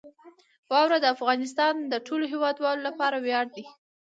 واوره د افغانستان د ټولو هیوادوالو لپاره ویاړ دی.